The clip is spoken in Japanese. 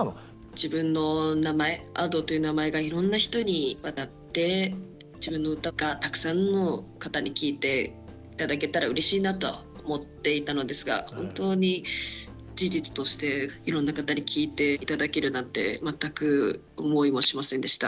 自分の名前Ａｄｏという名前がいろんな人にわたって自分の歌がたくさんの方に聴いて頂けたらうれしいなとは思っていたのですが本当に事実としていろんな方に聴いて頂けるなんて全く思いもしませんでした。